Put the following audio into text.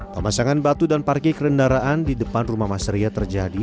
pemasangan batu dan parkir kendaraan di depan rumah mas ria terjadi